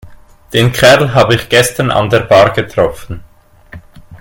Den Kerl habe ich gestern an der Bar getroffen.